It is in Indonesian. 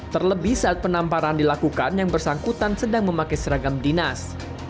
terlebih saat penamparan dilakukan yang bersangkutan sedang memakai seragam dinas